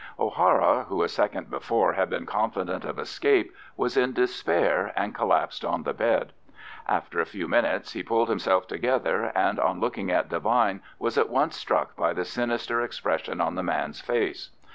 O'Hara, who a second before had been confident of escape, was in despair, and collapsed on the bed. After a few minutes he pulled himself together, and on looking at Devine was at once struck by the sinister expression on the man's face.